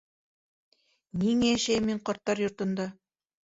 Ниңә йәшәйем мин ҡарттар йортонда?